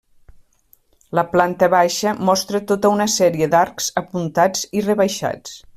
La planta baixa mostra tota una sèrie d'arcs apuntats i rebaixats.